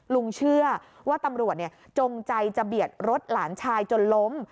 ลุงเชื่อว่าตำรวจจงใจจะเบียดรถหลานชายจนล้ม